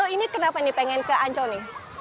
ini kenapa nih pengen ke ancol nih